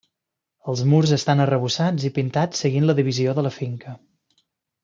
Els murs estan arrebossats i pintats seguint la divisió de la finca.